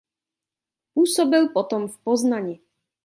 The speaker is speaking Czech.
Působil potom v Poznani.